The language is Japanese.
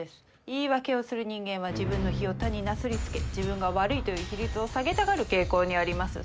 言い訳をする人間は自分の非を他になすりつけ自分が悪いという比率を下げたがる傾向にあります。